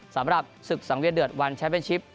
สำหรับศึกสังเวียนเดือดวันแชมป์เป็นชิป